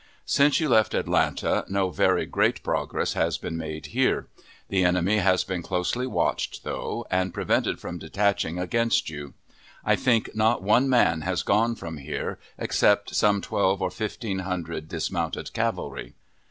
Since you left Atlanta no very great progress has been made here. The enemy has been closely watched, though, and prevented from detaching against you. I think not one man has gone from here, except some twelve or fifteen hundred dismounted cavalry.